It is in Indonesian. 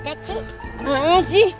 gak ada apa sih